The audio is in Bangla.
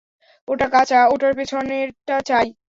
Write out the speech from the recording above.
ওটা কাঁচা, ওটার পেছনেরটা চাই।